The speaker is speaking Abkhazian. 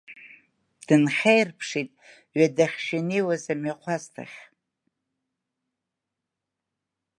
Дынхьаирԥшит ҩадахьшәа инеиуаз амҩахәасҭахь.